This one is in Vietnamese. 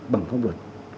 bằng pháp luật